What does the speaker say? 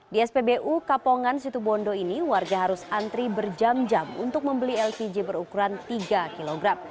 di spbu kapongan situbondo ini warga harus antri berjam jam untuk membeli lpg berukuran tiga kg